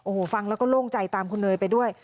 โอ้โหฟังแล้วก็โล่งใจตามคุณเนยไปด้วย